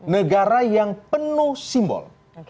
negara yang penuh simbol